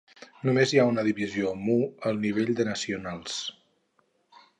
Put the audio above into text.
Només hi ha una divisió Mu al nivell de nacionals.